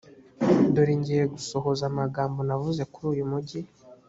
dore ngiye gusohoza amagambo navuze kuri uyu mugi